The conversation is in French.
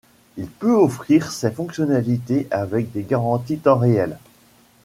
Il peut offrir ces fonctionnalités avec des garanties temps réel.